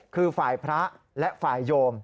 คือฝ่ายพระและฝ่ายโยม